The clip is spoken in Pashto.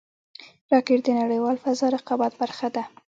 راکټ د نړیوال فضا رقابت برخه ده